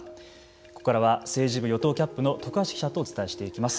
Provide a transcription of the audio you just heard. ここからは政治部与党キャップの徳橋記者とお伝えしていきます。